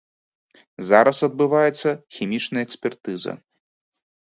Зараз адбываецца хімічная экспертыза.